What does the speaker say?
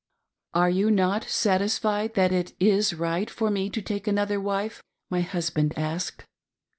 "Are you not satisfied that it ig^,rigljt for me to take another , wife?" my husband asked.